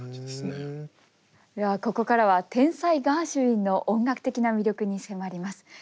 ではここからは天才ガーシュウィンの音楽的な魅力に迫ります。